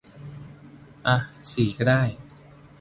อ่ะ สี่ก็ได้